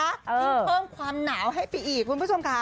เพิ่มความหนาวให้ปีอีกคุณผู้ชมคะ